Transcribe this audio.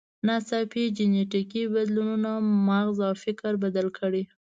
ناڅاپي جینټیکي بدلونونو مغز او فکر بدل کړل.